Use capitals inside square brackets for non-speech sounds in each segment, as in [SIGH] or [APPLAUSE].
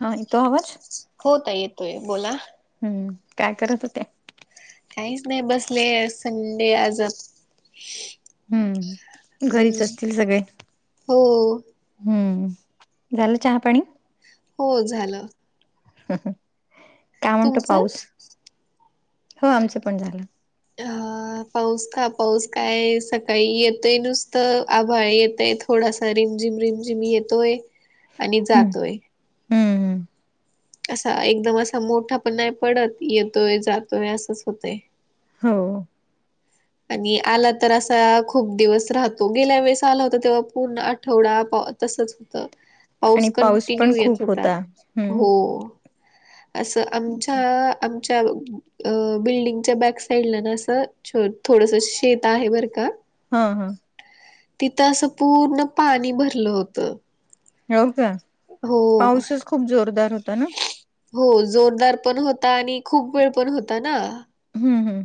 हां येतो आवांज हो ताई येतोयं बोलां हम्मं कायं करतं होत्यां? काहींचं नाहीं बसले संडे आंज घरीचं असतीलं सगंळे हो हम्मं झालं चहा पाणी हो झालं. कायं म्हणतो तुमचं पाऊस हो आमचं पणं झालं हं पाऊस कां पाऊस कायं सकाळीं येतंय नुसतं आभाळ येतंय थोडासां रिमझिम रिमझिम येतोयं. [UNINTELLIGIBLE] आणि जातोयं हम्म असां एकदंम असां मोठां पणं नाहीं पडतं येतोयं जातोयं असंच होतंय. होव आणि आलां तरं असां खूंप दिवसं राहतो गेल्यां वेळेसं आलां होतां तेंव्हा पूर्ण आठवडां तसंच आणि पाऊस पण कंटिन्यू खूप येतं होतां होता हम्म हो असं आमच्यां असं बिल्डिंगच्यां बॅक साइडं लां असं छो थोडंसं शेत आहे बरं कां? हां हां! तिथं असं पूर्ण पाणी भरलं होतं. हो कां हो पाऊसचं खूंप जोरदांर होतां नां, हो जोरदांर पणं होतां आणि खूंप वेळं पणं होतां नां. हम्मं हमं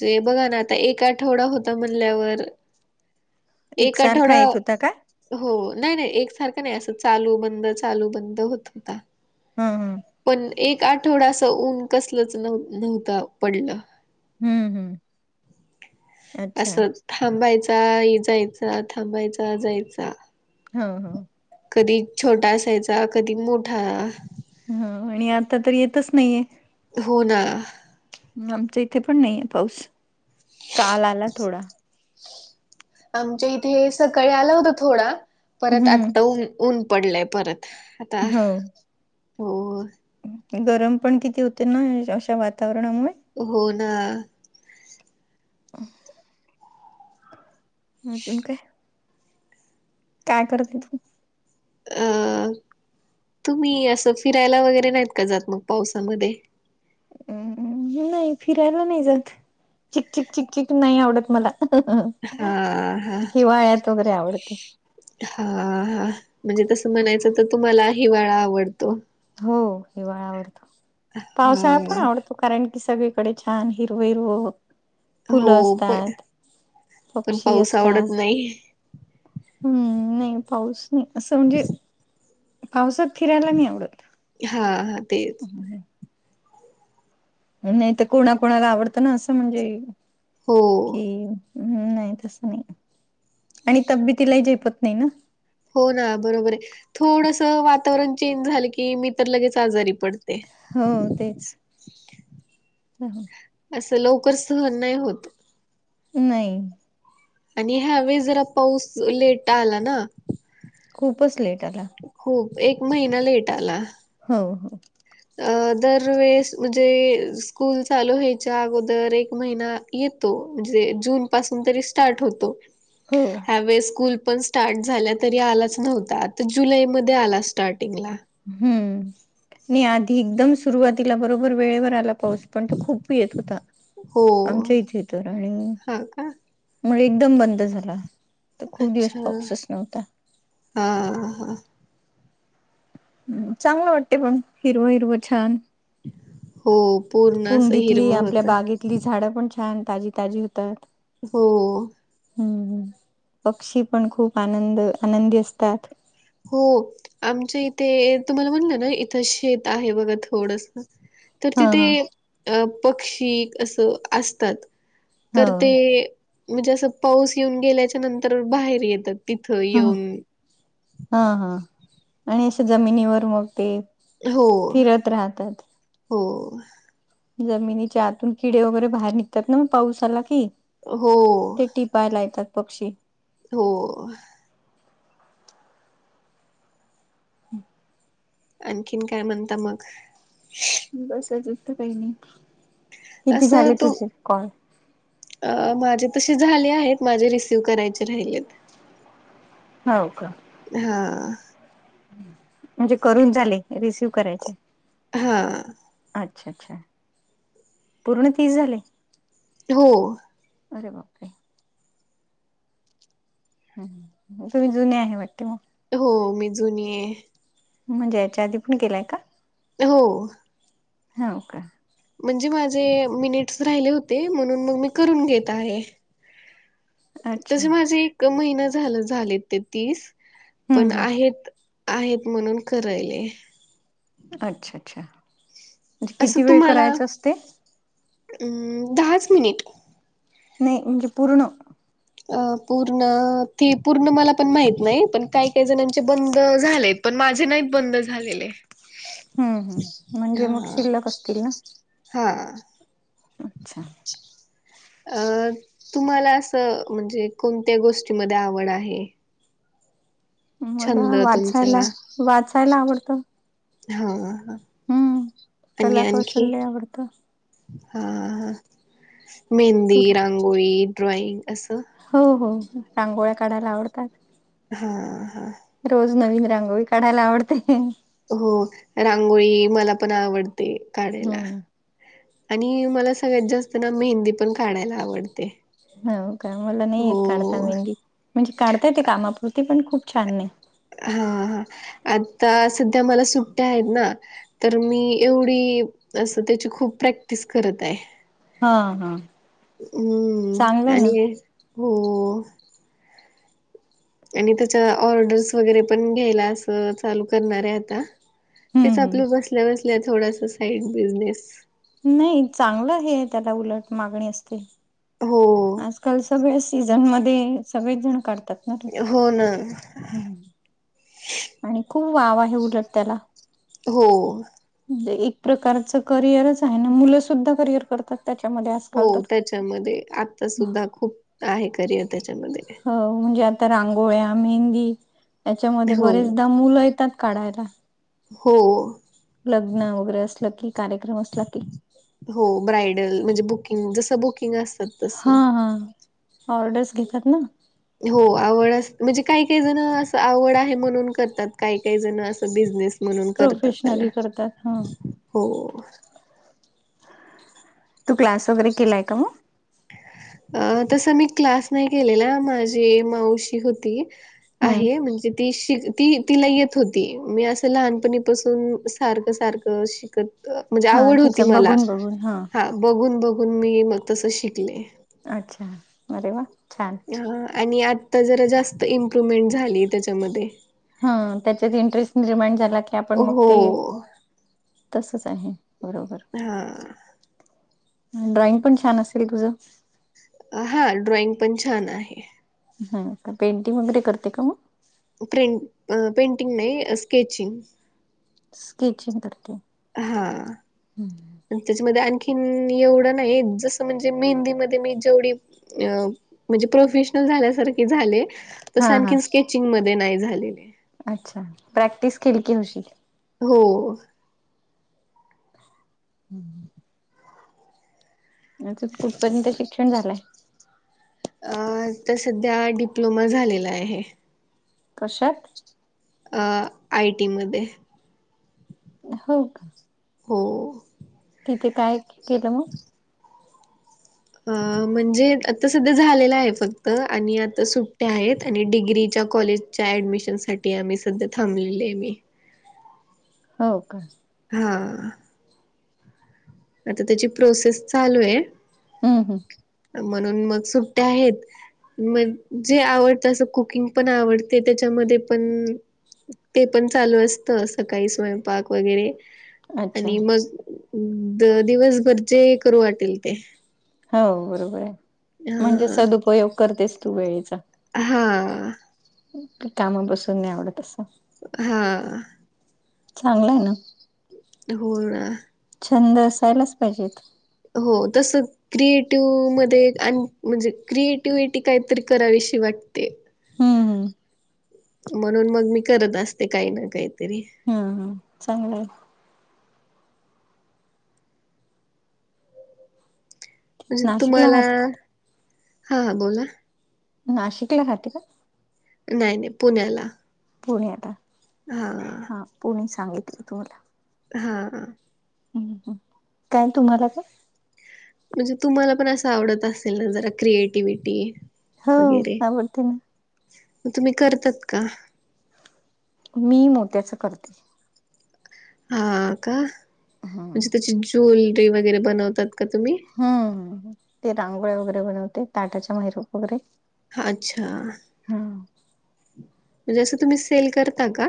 जे बघां नां आतां एक आठवडां होतां म्हणल्यांवर एक एकसारखा आठवडां येत होता काय हो नाहीं नाहीं एक सारखं नाहीं असं चालूं बंद चालूं बंद होतं होतां. हा हा पणं एक आठवडां असं ऊंन कसलंच नवं नव्हतां पडलं हम्मं हम्मं असं थांबायचां जायचां थांबायचां जायचां हव कधीं छोटा असांयचां कधीं मोठां हं आणि आतां तरं येतंच नाहीये हो नां आमच्यां इथे पणं नाहीये पाऊस कांल आलां थोडां आमच्यां इथे सकाळीं आलं होतं थोडां परंत हम्म आतां ऊंन ऊंन पडलेयं परंत आतां हो हो गरम पणं किती होतें नां अशा वातावरणांमुळे हो नां अ [UNINTELLIGIBLE] अजूंन कायं कायं करतें तूं अ तुम्हीं असं फिरायलां वगैरें नाहीत कां जातं मंग पावसांमंध्ये नाही फिरायला नाही जात चिक चिक चिक नाही आवडत मला. हा हा हिवाळ्यात वगैरे आवडते. हा हा म्हणजे तसं म्हणायचं तर तुम्हाला हिवाळा आवडतो. हो हिवाळ आवडतो हा पावसाळा पण आवडतो. कारण की सगळीकडे छान हिरवं-हिरवं हो हो फुलं पण असतात, पण पक्षी पाऊस असतात. आवडत नाही हम्म नाही पाऊस नाही असं म्हणजे पावसात फिरायला नाही आवडत. हा हा तेच. नाही तर कोणाकणाला आवडतं ना असं म्हणजे. हो. कि नाही तसं नाही आणि तबेतीला ही झेपत नाही ना. हो ना बरोबर आहे थोडसा वातावरण चेंज झालं की मी तर लगेच आजारी पडते. हो तेच. े ह हा असं लवकर सहन नाही होत. नाही आणि ह्यावेस जरा पाऊस लेट आला ना. खूपच लेट आला. खूप एक महिना लेट आला. हो हो. अ दरवेेस म्हणजे स्कूल चालू होयच्या अगोदर एक महिना येतो जे जून पासून तरी स्टार्ट होतो. हो. या वेळेस स्कूल पण स्टार्ट झाल्या तरी आलाच नव्हता आता जुलैमध्ये आला स्टार्टिंगला. हम्म नाही आधी एकदम सुरुवातीला बरोबर वेळेवर आला. पाऊस पण तो खूप य येत होता हो आमच्या इथे तर आणि हा का मणे एकदम बंद झाला. तर खूप दिवस अच्छा पाऊसच नव्हता हा हा. चांगलं वाटते पण हिरवं हिरवं छान. हो पूर्ण असं हिरवं होतं. तली झाडं पण छान ताजी-ताजी होतात. हो. हम्म हम्म, पक्षी पण खूप आनंद आनंदी असतात. हो. आमच्या इथे तुम्हाला म्हटलं ना इथं शेत आहे बघा थोडसा तर हा तिथे हा अ पक्षी असं असतात तर हो ते म्हणजे असं पाऊस येऊन गेल्याच्या नंतर बाहेर येतात तिथं हा येऊन. हा हा आणि असे जमिनीवर मग ते हो फिरत राहतात. हो. जमिनीच्या आतून किडे वगैरे बाहेर निघतात ना मग पाऊसाला की. हो. पाय लायतात पक्षी. हो. हम् आणखीन काय म्हणता मग? बसचं असतं काही नाही. किती असं झाले तू तुझे कॉल? अ माझे तशे झाले आहेत माझे रिसीव करायचे राहिले आहेत. हाव का? हा. म्हणजे करून झाले, रिसिव करायचे. हा. अच्छा! अच्छा! पूर्ण तीस झाले? हो. अरे बापरे! तुम्ही जुने आहे वाटते मग. हो. मी जुनी आहे. म्हणजे याच्या आधी पण ग केलाय का? हो हा का. म्हणजे माझे मिनिट्स राहिले होते, म्हणून मग मी करून घेत आहे. अच्छा तसे माझे एक महिना झा झाले. ते तीस हम्म पण हम्म आहेत. आहेत म्हणून करायले. अच्छा! अच्छा! म्हणजे असं किती वेळ तुम्हाला. करायचं असते अ दहाच मिनिट. नाही म्हणजे पूर्ण. अ पूर्ण, ते पूर्ण मला पण माहत नाही पण काही काही जणांमचे बंद झालेत. पण माझे नाही बंद झालेले. हम्म हम्. म्हणजे मग हा शिल्लक असतील ना? हा. अच्छा! अच्छा! अ तुम्हाला असं म्हणजे कोणत्या गोष्टीमध्ये आवड आहे? मला छंद तुमचा वाचायला वाचायला आवडतं. हा हा. हम्म आणि आणखी? कलाकौशल्य आवडतं हा. मेहंदी, तुला रांगोळी, ड्रॉईंग, असं. हो हो. रांगोळ्या काढायला आवडतात. हा हा. रोज नवीन रांगोळी काढायला आवडते. हो रांगोळी मला पण आवडते काढायला. हम्म आणि मला सगळ्यात जास्त ना मेहंदी पण काढायला आवडते. हो का मला नाही येत हो काढता मेहंदी. म्हणजे काढतायेत कामापुरती पण खूप छान नाही. हा हा आता सध्या मला सुट्ट्या आहेत ना. तर मी एवढी असं त्याची खूप प्रॅक्टिस करत आहे. हा हा. हम्म चांगलंय ना आणि हो आणि त्याच्या ऑर्डर्स वगैरे पण घ्यायला असं चालू करणार आहे आता. हम्म तेच आपल्या हम्म बसल्या बसल्या थोडसा साईड बिझनेस. नाही चांगलं हे त्याला उलट मागणी असते. हो. आजकाल सगळे सीझनमध्येध्ये सगळेच जण काढतात. ना रे हो ना. आणि खूप वाव आहे उलट त्याला. हो. म्हणजे एक प्रकारचं करिअरच आहे ना, मुलं सुुद्धा करिअर करतात. त्याच्यामध्ये हो आजकाल तर त्याच्यामध्ये, आता सुद्धा खूप आहे करिअर त्याच्यामध्ये अ म्हणजे आता रांगोळ्या मेहंदी याच्यामध्ये हो बरेचदा मुलं येतात काढायला. हो लग्न वगैरे असलं की, कार्यक्रम असला की हो ब्रायडल म्हणजे बुकिंग जसं बुकिंग असतात हा तसं हा ऑर्डर्स घेतात ना? हो, आवड म्हणजे काही काही जण असं आवड आहे म्हणून करतात. काही काही जण असं बिझनेस म्हणून करतात त्याला प्रोफेशनली करतात हा हो! तू क्लास वगैरे केलाय का मग? अ तस मी क्लास नाही केलेला माझी माऊशी होती हम्म आहे म्हणजे ती शिक तिला येत होती. मी असं लहानपणीपासून सारखं सारखं शिकत म्हणजे हा आवड होती तिचं मला बघून बघून हा बघून बघून मी मग तस शिकले. अच्छा अरे वा छान! आणि आत्ता जरा जास्त इम्प्रुव्हमेंट झाली त्याच्यामध्ये. हा त्याच्यात इंटरेस्ट निर्माण झाला की आपण मग हो. ते तसंच आहे बरोबर! हा! ड्रॉइंग पण छान असेल तुझं? हा ड्रॉइंग पण छान आहे. हा पेंटिंग वगैरे करते का मग? प्रें पेंटिंग नाही स्केचिंग. स्केचिंग करते. हा! त्याच्यामध्ये आणखीन एवढं नाही जसं म्हणजे मेहंदीमध्ये मी जेवढी अ म्हणजे प्रोफेशनल झाल्यासारखे झाले. हा तस हा आणखीन स्केचिंग मध्ये नाही झालेले. अच्छा प्रॅक्टिस केली की होशील. हो! [INAUDIBLE] कुठपर्यंत शिक्षण झालंय? अ आता सध्या डिप्लोमा झालेला आहे. कशात? अ आय टी मध्ये. हो का? हो! तिथे काय केलं मग? [INAUDIBLE] अ म्हणजे आता सध्या झालेलं आहे. फक्त आणि आता सुट्ट्या आहेत आणि डिग्रीच्या कॉलेज च्या ॲडमिशनसाठी आम्ही सध्या थांबलेली आहे मी. हो का? हा! आता त्याची प्रोसेस चालू आहे. हम्म हम्म! म्हणून मग सुट्ट्या आहेत. मग जे आवडत असं कुकिंग पण आवडते त्याच्यामध्ये पण ते पण चालू असत सकाळी स्वयंपाक वगैरे. हम्म अच्छा आणि मग दिवसभरचे करू वाटेल ते. हो बरोबर आहे म्हणजे अ सद उपयोग करतेस तू वेळेचा. हां! त्यामुळं बसून नाही आवडत अस. हा! चांगलं आहे ना! हो ना! छंद असायलाच पाहिजेत. हो तस क्रिएटिव्ह मध्ये आणि म्हणजे, क्रिएटिव्हटी काहीतरी करावीशी वाटते. हम्म हम्म. म्हणून मग मी करत असते, काही ना काहीतरी. हम्मम चांगलं आहे. म्हणजे नाशिकला तुम्हाला राहते का? हा बोला. नाशिकला होते का? नाही नाही पुण्याला. पुण्याला [UNINTELLIGIBLE] हा हा पुणे सांगितली तुम्हाला. हा. काय तुम्हाला का म्हणजे तुम्हाला पण असं आवडत असेल ना, जरा क्रिएटिव्हिटी. हो वगैरे, आवडते ना मग तुम्ही करतात का? मी मोत्याचं करते. हा का हम्म म्हणजे त्याची ज्वेलरी वगैरे, बनवतात का तुम्ही. हम् ते रांगोळी वगैरे बनवते, ताटाच्या माहेरूप वगैरे अच्छा, ह म्हणजे असं तुम्ही सेल करता का?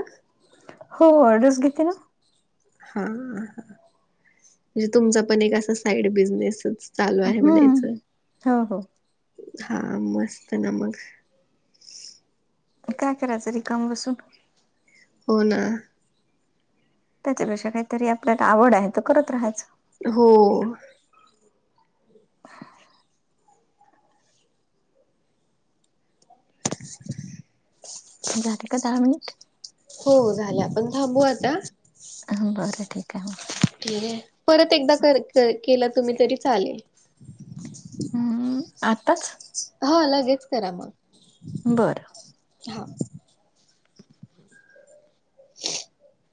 हो ऑर्डर्स घेते ना? हा म्हणजे, तुमचा पण एक असा साइड बिझनेसच चालू आहे, हम्म म्हणायच हो हो हा मस्त ना मग काय करायचं रिकामं बसून. हो ना. त्याच्यापेक्षा काहीतरी, आपल्याला आवड आहे तर करत राहायचं. हो. [INAUDIBLE] झाले का दहा मिनिट. हो झालं, आपण थांबू आता बरं ठीक आहे मग ठीक आहे. परत एकदा केला तुम्ही तरी चालेल. हम्म आताच. हा लगेच करा मग. बरं हा [INAUDIBLE]